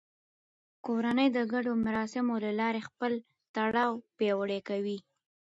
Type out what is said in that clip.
کورنۍ د ګډو مراسمو له لارې خپل تړاو پیاوړی کوي